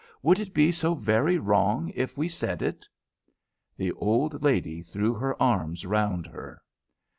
"Would it be so very wrong if we said it?" The old lady threw her arms round her.